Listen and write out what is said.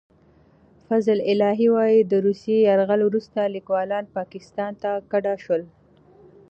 فضل الهي وايي، د روسي یرغل وروسته لیکوالان پاکستان ته کډه شول.